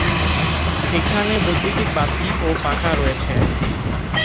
এখানে বৈদ্যুতিক বাতি ও পাখা রয়েছে।